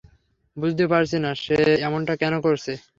বুঝতে পারছি না, সে এমনটা কেন করছে?